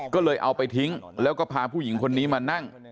ก็เลยเอาไปทิ้งแล้วก็พาผู้หญิงคนนี้มานั่ง